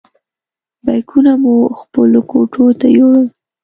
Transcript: بیکونه مو خپلو کوټو ته یوړل.